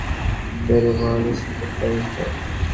Perumal, inspector in charge.